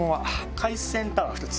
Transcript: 海鮮タワー２つ。